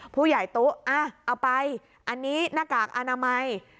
ผู้ใหญ่ตุ๊อ่ะเอาไปอันนี้หน้ากากอนามัย